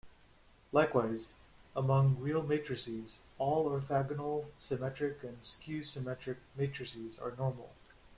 Likewise, among real matrices, all orthogonal, symmetric, and skew-symmetric matrices are normal.